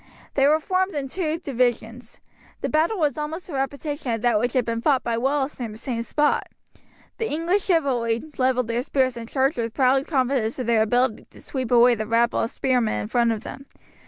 They were formed in two divisions. The battle was almost a repetition of that which had been fought by Wallace near the same spot. The English chivalry levelled their spears and charged with proud confidence of their ability to sweep away the rabble of spearmen in front of them.